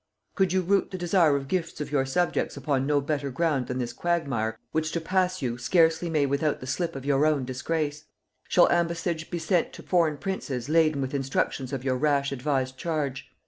Could you root the desire of gifts of your subjects upon no better ground than this quagmire, which to pass you scarcely may without the slip of your own disgrace? Shall ambassage be sent to foreign princes laden with instructions of your rash advised charge?...